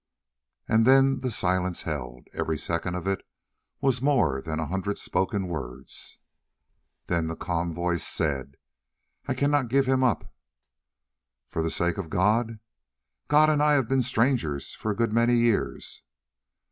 And then the silence held; every second of it was more than a hundred spoken words. Then the calm voice said: "I cannot give him up." "For the sake of God!" "God and I have been strangers for a good many years."